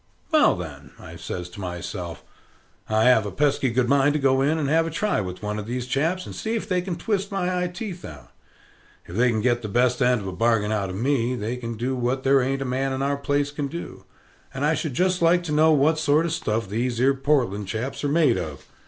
"Well, then," says I to myself, "I have a pesky good mind to go in and have a try with one of these chaps, and see if they can twist my eye teeth out. If they can get the best end of a bargain out of me, they can do what there ain't a man in our place can do; and I should just like to know what sort of stuff these 'ere Portland chaps are made of."